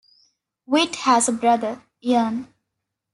Witt has a brother, Ian.